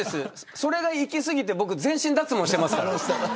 それがいき過ぎて僕、全身脱毛してますから。